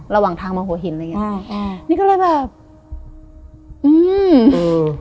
ระหว่างทางมาหัวหินอะไรอย่างเงี้ใช่อ่านี่ก็เลยแบบอืมเออ